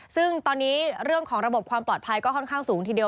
ซึ่งตอนนี้เรื่องของระบบความปลอดภัยก็ค่อนข้างสูงทีเดียว